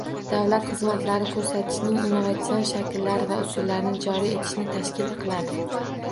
Davlat xizmatlari ko’rsatishning innovatsion shakllari va usullarini joriy etishni tashkil qiladi.